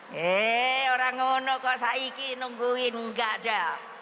heee orang orang ini saya nungguin tidak ada